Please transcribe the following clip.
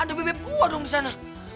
ada bebek gua dong disana